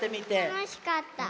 たのしかった？